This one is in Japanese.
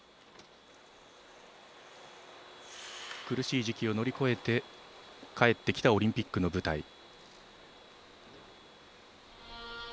苦しい時期を乗り越えて帰ってきたオリンピックの舞台。